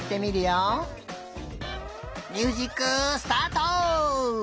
ミュージックスタート！